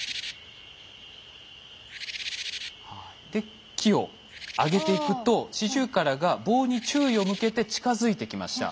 で木を上げていくとシジュウカラが棒に注意を向けて近づいてきました。